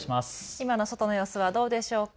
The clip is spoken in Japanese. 今の外の様子はどうでしょうか。